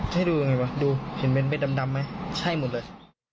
ให้ดูยังไงวะดูเห็นเป็นเด็ดดำไหมใช่หมดเลย